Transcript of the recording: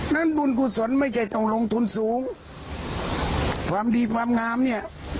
บุญกุศลไม่ใช่ต้องลงทุนสูงความดีความงามเนี่ย